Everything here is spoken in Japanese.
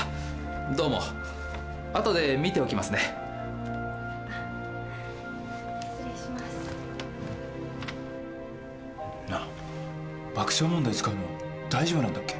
どうもあとで見ておきますね失礼しますなあ爆笑問題使うの大丈夫なんだっけ？